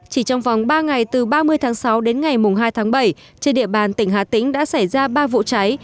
chỉ trong vòng ba ngày từ ba mươi tháng sáu đến ngày hai tháng bảy trên địa bàn tỉnh hà tĩnh đã xảy ra ba vụ cháy